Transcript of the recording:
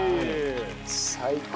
最高！